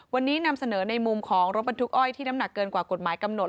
วันนี้นำเสนอในมุมของรถบรรทุกอ้อยที่น้ำหนักเกินกว่ากฎหมายกำหนด